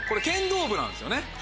剣道部なんですよね？